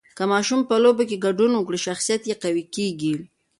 که ماشوم په لوبو کې ګډون وکړي، شخصیت یې قوي کېږي.